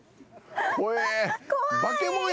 怖え。